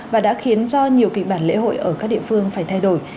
và đã khiến cho nhiều kịch bản lễ hội ở các địa phương phải thay đổi